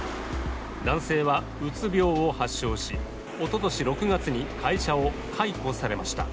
男性はうつ病を発症しおととし６月に会社を解雇されました。